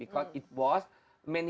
karena itu sudah berlalu